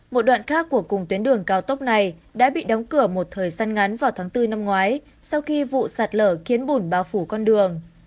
một đoạn khác của cùng tuyến đường cao tốc này đã bị đóng cửa một thời gian ngắn vào tháng bốn năm ngoái sau khi vụ sạt lở kiến bùn bao phủ con đường